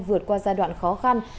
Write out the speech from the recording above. vượt qua giai đoạn khó khăn